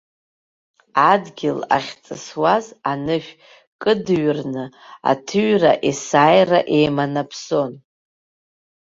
Адгьыл ахьҵысуаз анышә кыдҩрны, аҭыҩра есааира еиманаԥсон.